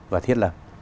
và thiết lập